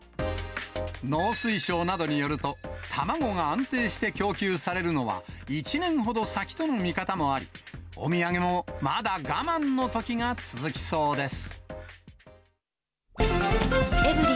農水省などによると、卵が安定して供給されるのは１年ほど先との見方もあり、お土産もまだ我慢のときが続きそうです。